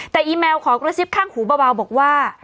แต่อีแมวขอกระซิบข้างหูเบาบอกว่า